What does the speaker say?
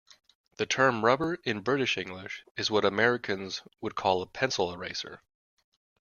The term rubber in British English is what Americans would call a pencil eraser